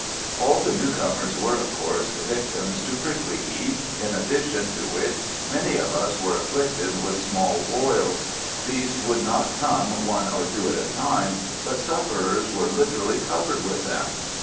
All the newcomers were, of course, victims to prickly heat, in addition to which many of us were afflicted with small boils. These would not come one or two at a time, but sufferers were literally covered with them.